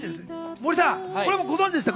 森さん、これもご存知でしたか？